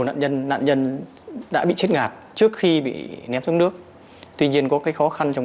nạn nhân nạn nhân đã bị chết ngạt trước khi bị ném xuống nước tuy nhiên có cái khó khăn trong